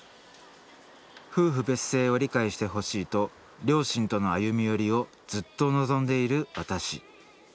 夫婦別姓を理解してほしいと両親との歩み寄りをずっと望んでいる私。